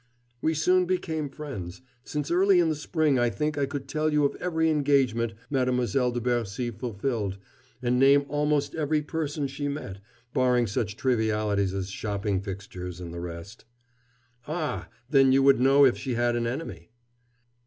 "We soon became friends. Since early in the spring I think I could tell you of every engagement Mademoiselle de Bercy fulfilled, and name almost every person she met, barring such trivialities as shopping fixtures and the rest." "Ah; then you would know if she had an enemy?"